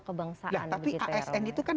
kebangsaan tapi asn itu kan